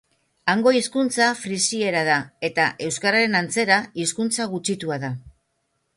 Hango hizkuntza frisiera da eta, euskararen antzera, hizkuntza gutxitua da.